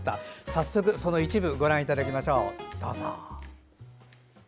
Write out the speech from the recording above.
早速、その一部をご覧いただきましょう。